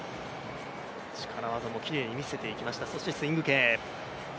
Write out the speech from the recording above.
力技もきれいに見せていきました、そしてスイング系。